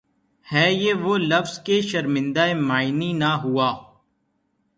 ہے یہ وہ لفظ کہ شرمندۂ معنی نہ ہوا